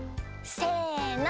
せの！